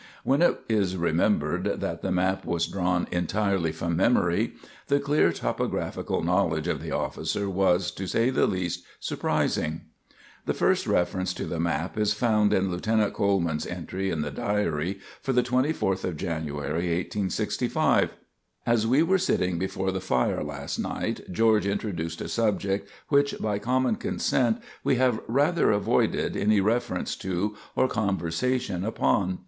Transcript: When it is remembered that the map was drawn entirely from memory, the clear topographical knowledge of the officer was, to say the least, surprising. The first reference to the map is found in Lieutenant Coleman's entry in the diary for the 24th of January, 1865: "As we were sitting before the fire last night, George introduced a subject which, by common consent, we have rather avoided any reference to or conversation upon.